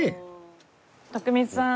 徳光さん。